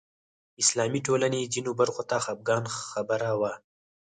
اسلامي ټولنې ځینو برخو ته خپګان خبره وه